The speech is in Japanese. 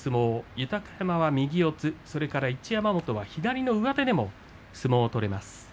豊山は右四つ、一山本を左の上手でも相撲を取れます。